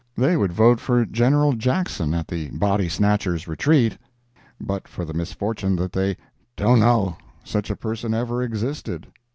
They would vote for General Jackson at the "Bodysnatchers' Retreat," but for the misfortune that they "don't know" such a person ever existed.